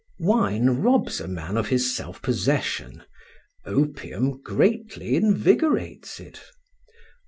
Wine robs a man of his self possession; opium greatly invigorates it.